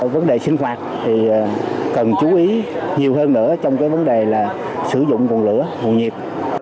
vấn đề sinh hoạt thì cần chú ý nhiều hơn nữa trong vấn đề sử dụng quần lửa hồ nhiệp